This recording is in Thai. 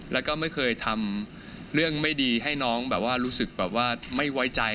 แล้วก็ไม่เคยทำเรื่องไม่ดีให้น้องแบบว่ารู้สึกแบบว่าไม่ไว้ใจ